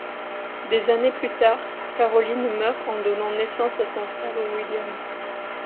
Des années plus tard, Caroline meurt en donnant naissance à son frère William.